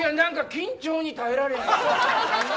緊張に耐えられへん。